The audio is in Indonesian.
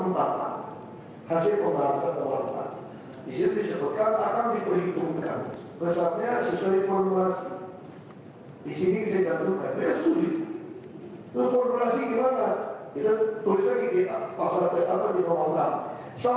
perhitungan terhadap diri pekerjaan satu akhirnya skpd melituh